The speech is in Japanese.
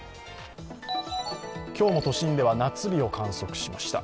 今日も都心では夏日を観測しました。